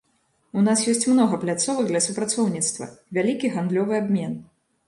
У нас ёсць многа пляцовак для супрацоўніцтва, вялікі гандлёвы абмен.